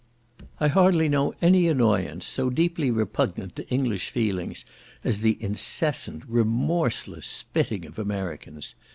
I hardly know any annoyance so deeply repugnant to English feelings, as the incessant, remorseless spitting of Americans.